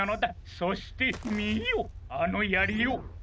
そしてみよあのやりを！